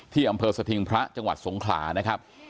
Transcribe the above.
ที่อำเภอสถิงพระจังหวัดสงขลานะครับ